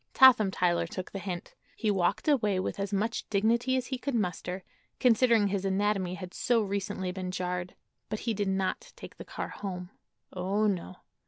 Totham Tyler took the hint. He walked away with as much dignity as he could muster, considering his anatomy had so recently been jarred; but he did not take the car home. Oh, no.